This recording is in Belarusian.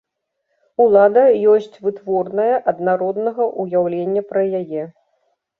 Улада ёсць вытворная ад народнага ўяўлення пра яе.